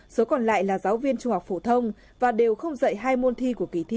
số còn lại là giáo viên trung học phổ thông và đều không dạy hai môn thi của kỳ thi